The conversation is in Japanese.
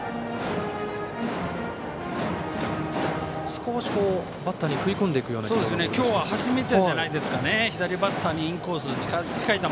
少しバッターに食い込んでいくようなボールでした。